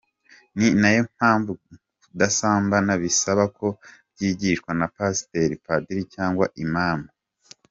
Ni nayo mpamvu kudasambana bisaba ko mbyigishwa na Pasiteri, Padiri, cyangwa Imam.